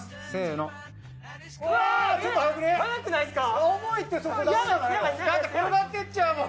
だって転がってっちゃうもん。